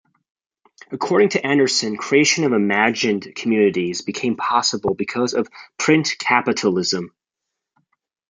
According to Anderson, creation of imagined communities became possible because of "print capitalism".